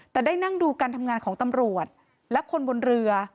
แต่ได้นั่งดูการทำงานของตำรวจและคนบนเรือ